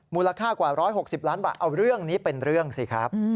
มูลค่ากว่า๑๖๐ล้านบาทเอาเรื่องนี้เป็นเรื่องสิครับ